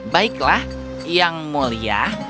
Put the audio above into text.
baiklah yang mulia